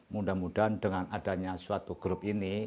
mudah mudahan dengan adanya suatu grup ini